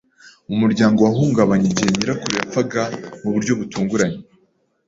Umuryango wahungabanye igihe nyirakuru yapfaga mu buryo butunguranye.